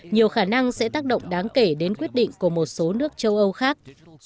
nhiều khả năng sẽ tác động đáng kể đến quyết định của một số nước châu âu khác